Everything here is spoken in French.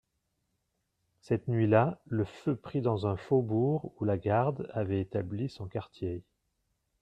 Cette nuit-là le feu prit dans un faubourg où la garde avait établi son quartier.